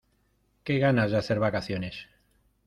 Qué ganas de hacer vacaciones.